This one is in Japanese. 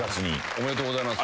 おめでとうございます。